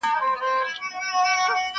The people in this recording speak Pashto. لمر یې په نصیب نه دی جانانه مه راځه ورته؛